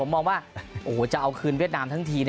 มองว่าโอ้โหจะเอาคืนเวียดนามทั้งที